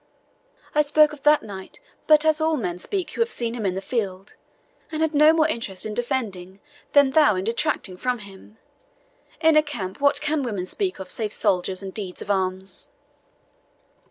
I spoke of that knight but as all men speak who have seen him in the field, and had no more interest in defending than thou in detracting from him. In a camp, what can women speak of save soldiers and deeds of arms?"